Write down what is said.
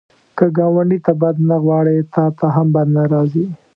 که ګاونډي ته بد نه غواړې، تا ته هم بد نه راځي